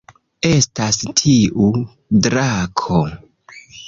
Estas tiu drako